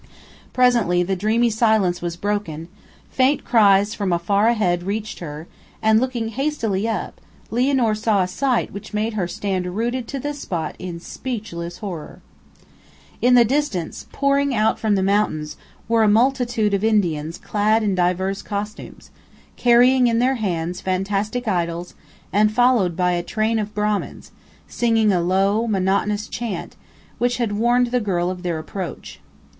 Presently the dreamy silence was broken; faint cries from afar reached her; and looking hastily up, Lianor saw a sight which made her stand rooted to the spot in speechless horror. In the distance, pouring from out the mountains, were a multitude of Indians clad in divers costumes, carrying in their hands fantastic idols, and followed by a train of Brahmins, singing a low, monotonous chant, which had warned the girl of their approach.